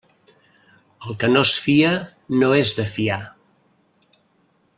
El que no es fia, no és de fiar.